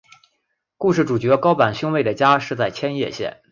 故事主角高坂兄妹的家是在千叶县。